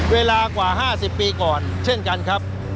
เวลากว่า๕๐ปีก่อนเช่นกันครับ